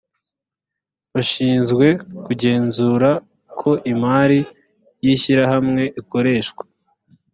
bashinzwe kugenzura uko imari y ishyirahamwe ikoreshwa